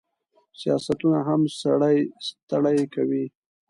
سیاستونه هم سړی ستړی کوي.